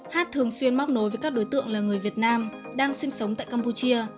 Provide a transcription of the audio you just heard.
hát thường xuyên móc nối với các đối tượng là người việt nam đang sinh sống tại campuchia